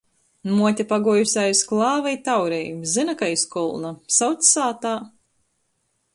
Muote paguojuse aiz klāva i taurej. Zyna, ka iz kolna. Sauc sātā.